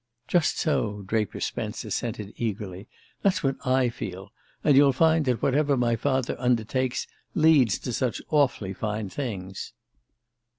"Just so," Draper Spence assented eagerly. "That's what I feel. And you'll find that whatever my father undertakes leads to such awfully fine things."